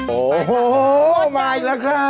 โอ้โหมาอีกแล้วค่ะ